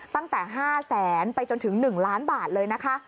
ตั้งแต่๕๐๐๐๐๐ไปจนถึง๑ล้านบาทเลย